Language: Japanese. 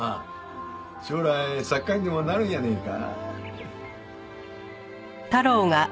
将来作家にでもなるんやねえか。